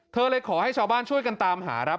เลยขอให้ชาวบ้านช่วยกันตามหาครับ